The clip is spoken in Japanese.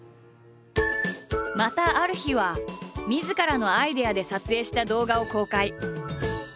またある日はみずからのアイデアで撮影した動画を公開。